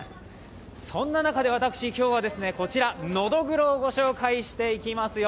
そんな中で私、今日はこちらノドグロをご紹介していきますよ。